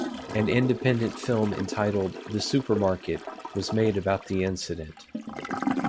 An independent film entitled "The Supermarket", was made about the incident.